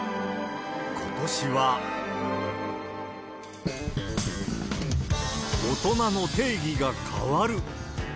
ことしは大人の定義が変わる。